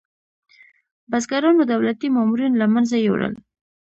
بزګرانو دولتي مامورین له منځه یوړل.